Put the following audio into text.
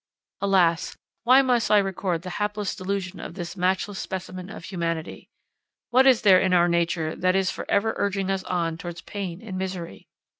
Alas! why must I record the hapless delusion of this matchless specimen of humanity? What is there in our nature that is for ever urging us on towards pain and misery?